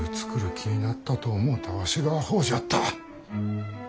気になったと思うたわしがあほうじゃった！